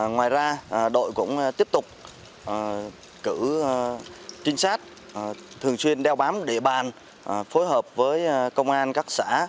ngoài ra đội cũng tiếp tục cử trinh sát thường xuyên đeo bám địa bàn phối hợp với công an các xã